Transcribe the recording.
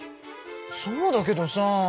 そうだけどさ。